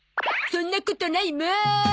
そんなことないもん。